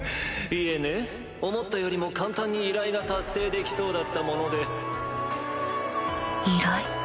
いえね思ったよりも簡単に依頼が達成できそうだったもので依頼？